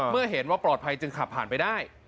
เมื่อเห็นว่าปลอดภัยจึงขับผ่านไปได้